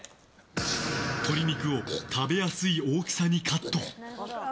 鶏肉を食べやすい大きさにカット。